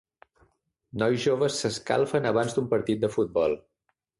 Nois joves s'escalfen abans d'un partit de futbol.